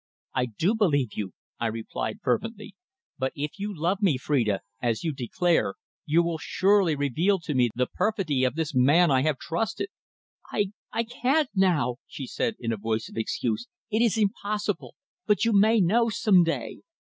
"I do believe you," I replied fervently. "But if you love me, Phrida, as you declare, you will surely reveal to me the perfidy of this man I have trusted!" "I I can't now," she said in a voice of excuse. "It is impossible. But you may know some day."